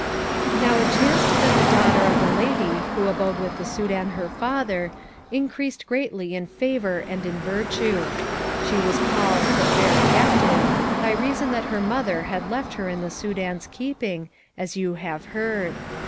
Now it chanced that the daughter of the lady, who abode with the Soudan her father, increased greatly in favour and in virtue. She was called The Fair Captive, by reason that her mother had left her in the Soudan's keeping, as you have heard.